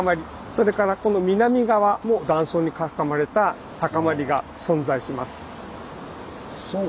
それからこの南側も断層に囲まれた高まりが存在します。